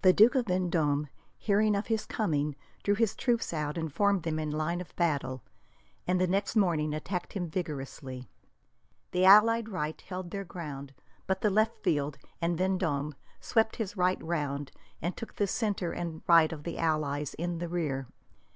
The Duke of Vendome, hearing of his coming, drew his troops out and formed them in line of battle, and the next morning attacked him vigorously. The allied right held their ground, but the left fled, and Vendome swept his right round and took the centre and right of the allies in the rear.